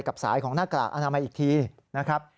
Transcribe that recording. สายของหน้ากากอนามัยอีกทีนะครับ